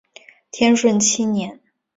天顺七年。